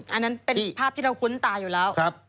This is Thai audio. อันนั้นเป็นภาพที่เราคุ้นตาอยู่แล้ว